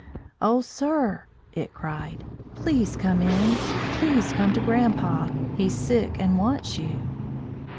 "O sir!" it cried, "please come in. Please come to grandpa. He's sick and wants you."